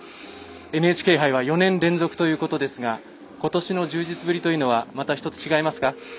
ＮＨＫ杯は４年連続ということですがことしの充実ぶりというのはまた１つ違いますか？